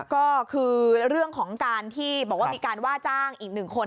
ก็คือเรื่องของการที่บอกว่ามีการว่าจ้างอีกหนึ่งคน